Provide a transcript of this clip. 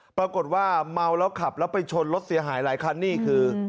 ปรากฏว่าเมาแล้วขับแล้วไปชนรถเสียหายหลายคันนี่คือ